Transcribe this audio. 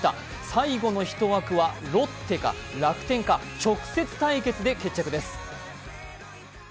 最後の１枠はロッテか、楽天か、直接対決で決着です。